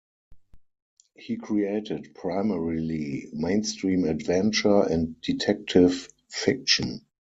He created primarily mainstream adventure and detective fiction.